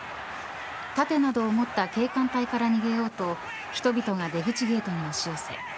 盾などを持った警官隊から逃げようと人々が出口ゲートに押し寄せ